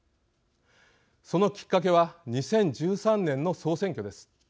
そのきっかけは２０１３年の総選挙です。